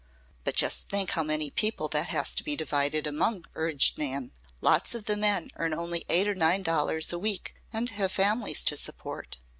"But just think how many people that has to be divided among," urged Nan. "Lots of the men earn only eight or nine dollars a week, and have families to support."